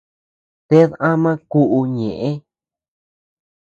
Ted ama kü ñeʼë.